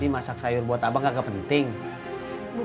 masak sayur ini vesimentas tapi serius